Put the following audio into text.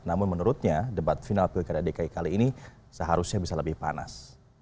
namun menurutnya debat final pilkada dki kali ini seharusnya bisa lebih panas